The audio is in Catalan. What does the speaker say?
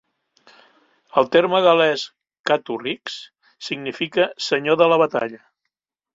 El terme gal·lès "catu-rix" significa "senyor de la batalla".